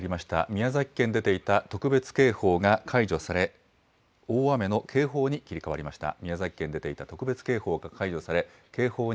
宮崎県に出ていた特別警報が解除され、警報に切り替わりました。